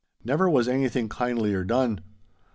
Never was anything kindlier done.